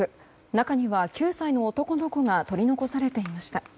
中には９歳の男の子が取り残されていました。